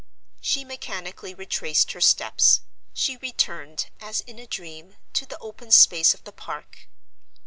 She mechanically retraced her steps; she returned, as in a dream, to the open space of the Park.